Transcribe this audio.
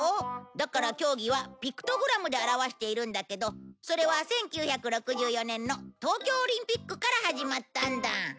だから競技はピクトグラムで表しているんだけどそれは１９６４年の東京オリンピックから始まったんだ。